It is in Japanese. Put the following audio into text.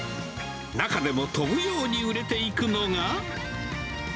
中でも飛ぶように売れていくのが。